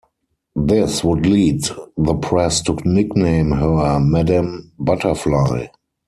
This would lead the press to nickname her Madame Butterfly.